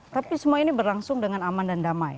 tapi semua ini berlangsung dengan aman dan damai